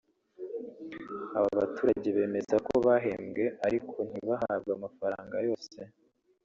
Aba baturage bemeza ko bahembwe ariko ntibahabwe amafaranga yose